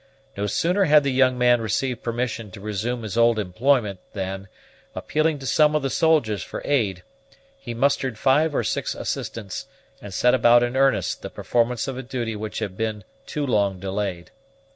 No sooner had the young man received permission to resume his old employment, than, appealing to some of the soldiers for aid, he mustered five or six assistants, and set about in earnest the performance of a duty which had been too long delayed.